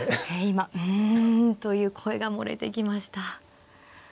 今「うん」という声が漏れてきました。